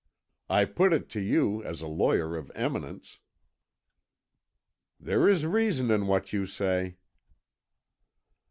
I put it to you as a lawyer of eminence." "There is reason in what you say."